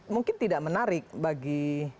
mungkin tidak menarik bagi